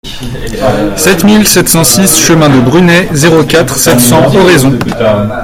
sept mille sept cent six chemin de Brunet, zéro quatre, sept cents, Oraison